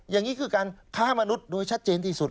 อย่างนี้คือการค้ามนุษย์โดยชัดเจนที่สุด